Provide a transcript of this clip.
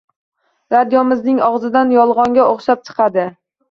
Radiomizning og‘zidan yolg‘onga o‘xshab chiqadi.